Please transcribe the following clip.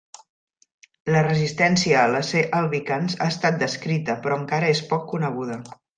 La resistència a la C. albicans ha estat descrita, però encara és poc coneguda.